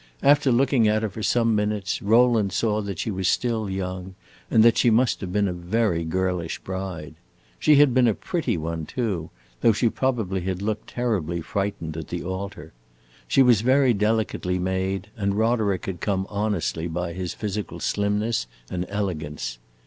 After looking at her for some minutes Rowland saw that she was still young, and that she must have been a very girlish bride. She had been a pretty one, too, though she probably had looked terribly frightened at the altar. She was very delicately made, and Roderick had come honestly by his physical slimness and elegance.